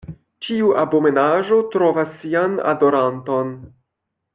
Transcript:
Ĉiu abomenaĵo trovas sian adoranton.